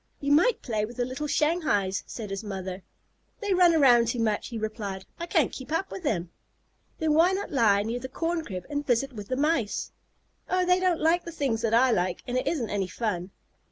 "You might play with the little Shanghais," said his mother. "They run around too much," he replied. "I can't keep up with them." "Then why not lie near the corn crib and visit with the Mice?" "Oh, they don't like the things that I like, and it isn't any fun."